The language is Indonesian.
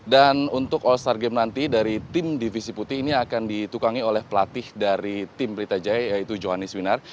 dan untuk all stars game nanti dari tim divisi putih ini akan ditukangi oleh pelatih dari tim pelita jaya yaitu johannes wiener